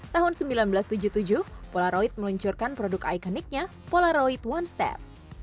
tahun seribu sembilan ratus tujuh puluh tujuh polaroid meluncurkan produk ikoniknya polaroid one step